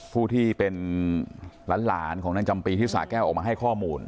ผู้ที่เป็นหลานหลันของเรื่องจำปีที่สาเกซออกมาให้ข้อมูล